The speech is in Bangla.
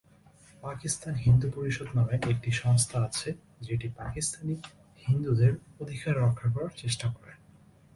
পাকিস্তান হিন্দু পরিষদ নামের একটি সংস্থা আছে যেটি পাকিস্তানি হিন্দুদের অধিকার রক্ষার চেষ্টা করে।